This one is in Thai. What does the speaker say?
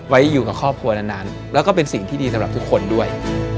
ไว้อยู่กับครอบครัวนานแล้วก็เป็นสิ่งที่ดีสำหรับทุกคนด้วย